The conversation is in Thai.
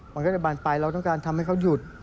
มันก็จะบานไปเราต้องการทำให้เขาหยุด